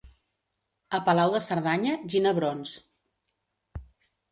A Palau de Cerdanya, ginebrons.